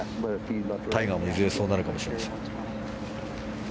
タイガーもいずれそうなるかもしれません。